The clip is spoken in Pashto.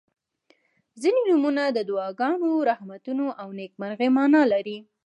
• ځینې نومونه د دعاګانو، رحمتونو او نیکمرغۍ معنا لري.